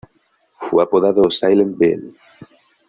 Fue apodado "Silent Bill".